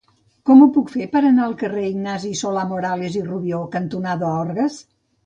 Com ho puc fer per anar al carrer Ignasi de Solà-Morales i Rubió cantonada Orgues?